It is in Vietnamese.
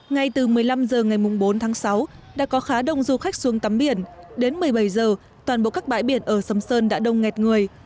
ngay từ một mươi năm h ngày bốn tháng sáu đã có khá đông du khách xuống tắm biển đến một mươi bảy h toàn bộ các bãi biển ở sầm sơn đã đông nghẹt người